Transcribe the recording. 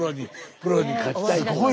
プロに勝ちたい。